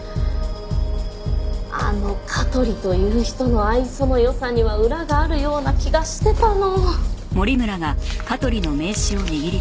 あの香取という人の愛想の良さには裏があるような気がしてたの！